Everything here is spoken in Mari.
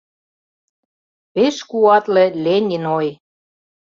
Пеш куатле Ленин ой!